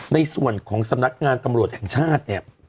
ในส่วนของสนับงานตำรวจแห่งชาติ